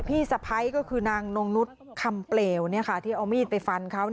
พี่สะพ้ายก็คือนางนงนุษย์คำเปลวที่เอามีดไปฟันเขา